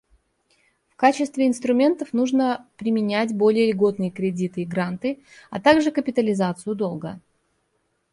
В качестве инструментов нужно применять более льготные кредиты и гранты, а также капитализацию долга.